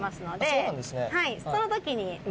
そうなんですね。